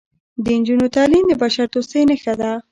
د نجونو تعلیم د بشردوستۍ نښه ده.